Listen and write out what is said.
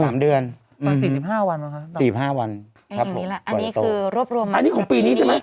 ประมาณ๔๕วันเหรอครับครับบริโตรครับผมบริโตรอันนี้คือรวบรวมอันนี้ของปีนี้ใช่ไหม